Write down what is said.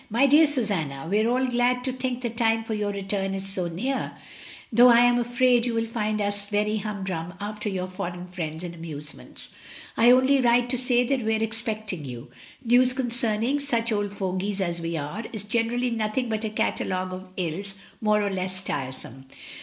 "My dear Susanna, — We are all glad to think the time for your return is so near, though I am afraid you will find us very humdrum after your foreign friends and amusements. I only write to Susanna's correspondence. 109 say that we are expecting you. News concerning such old fogies as we are is generally nothing but a catalogue of ills, more or less tiresome.